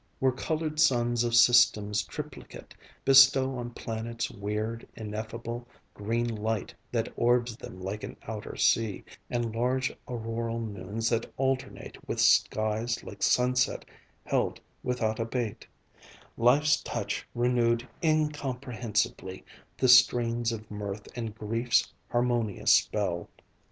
Where colored suns of systems triplicate Bestow on planets weird, ineffable, Green light that orbs them like an outer sea, And large auroral noons that alternate With skies like sunset held without abate, Life's touch renewed incomprehensibly The strains of mirth and grief's harmonious spell.